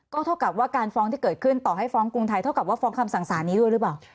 เท่ากับว่าการฟ้องที่เกิดขึ้นต่อให้ฟ้องกรุงไทยเท่ากับว่าฟ้องคำสั่งสารนี้ด้วยหรือเปล่า